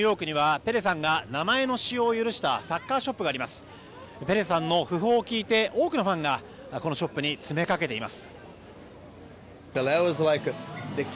ペレさんの訃報を聞いて多くのファンがこのショップに詰めかけています。